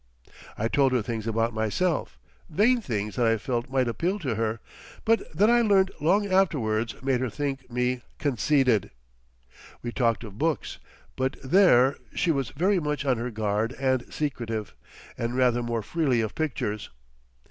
I told her things about myself, vain things that I felt might appeal to her, but that I learnt long afterwards made her think me "conceited." We talked of books, but there she was very much on her guard and secretive, and rather more freely of pictures.